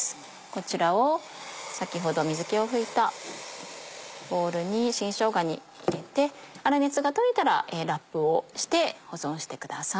こちらを先ほど水気を拭いたボウルの新しょうがに入れて粗熱が取れたらラップをして保存してください。